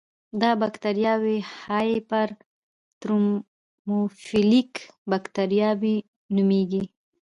دا بکټریاوې هایپر ترموفیلیک بکټریاوې نومېږي.